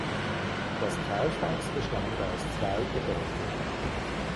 Das Kaufhaus bestand aus zwei Gebäuden.